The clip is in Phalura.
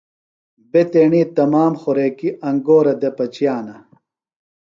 بےۡ تیݨی تمام خوریکیۡ انگورہ دےۡ پچِیانہ۔